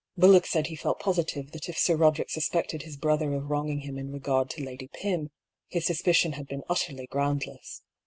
Bullock said he felt positive that if Sir Boderick suspected his brother of wronging him in regard to Lady Pym, his suspicion had been utterly groundless.